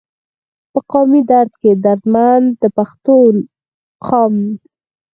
پۀ قامي درد دردمند د پښتون قام